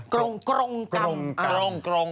กรงกรม